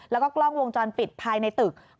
แล้วก็กล้องวงจรปิดภายในตึก